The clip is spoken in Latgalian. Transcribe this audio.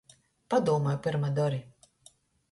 Padūmoj, pyrma dori!